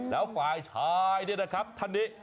แล้วฝ่ายชายเนี่ยนะครับท่านนี้